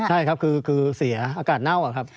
ใช่ครับคือเสียอากาศเน่าอะครับ